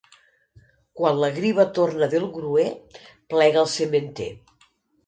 Quan la griva torna del gruer, plega el sementer.